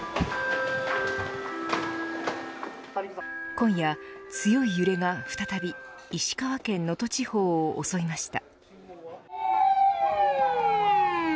今夜、強い揺れが再び石川県能登地方を襲いました。